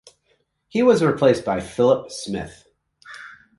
He was replaced by Phillip Smith.